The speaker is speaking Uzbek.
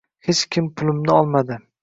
Hech kim pulimni olmadi.